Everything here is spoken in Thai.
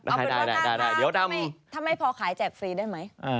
เอาเป็นร้อนหนาทำให้พอขายแจกฟรีได้ไหม